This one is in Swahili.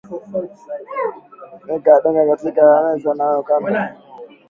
Weka donge katikati ya meza na ukande